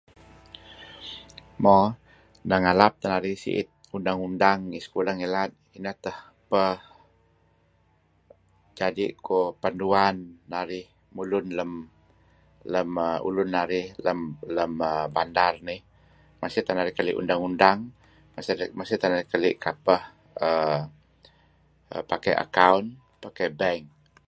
Mo neh ngalap teh narih siit udang-undang ngi sekolah ngilad ineh teh peh jadi' kuh panduan narih mulun lam ulun narih lam bandar nih masih teh narih keli' undang-undang mesti teh narih keli' pakai akaun bank.